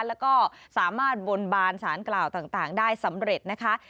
แล้วก็สามารถบนบานสารกล่าวต่างได้สำเร็จนะคะ